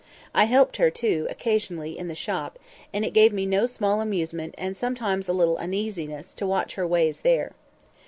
I helped her, too, occasionally, in the shop; and it gave me no small amusement, and sometimes a little uneasiness, to watch her ways there.